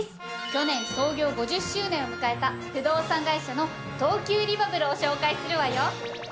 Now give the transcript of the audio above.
去年創業５０周年を迎えた不動産会社の東急リバブルを紹介するわよ。